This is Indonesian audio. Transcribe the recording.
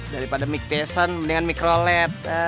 daripada mik tisan mendingan mikrolet